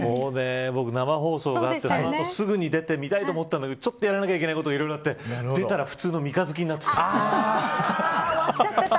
僕、生放送があってすぐに出て見たいと思ったんだけどやらなきゃいけないことがあって出たら普通の三日月になってた。